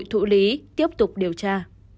để giữ lý tiếp tục điều tra